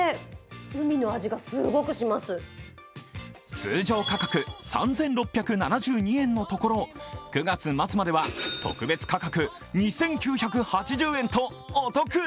通常価格３６７２円のところ９月末までは特別価格２９８０円とお得！